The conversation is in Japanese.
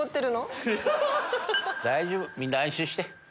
大丈夫みんな安心して。